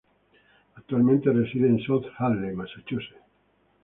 Actualmente reside en South Hadley, Massachusetts.